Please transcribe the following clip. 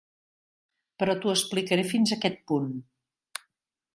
Però t'ho explicaré fins a aquest punt.